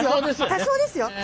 多少ですよね。